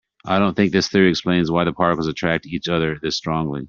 I don't think this theory explains why the particles attract each other this strongly.